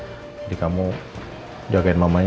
jadi kamu jagain mamanya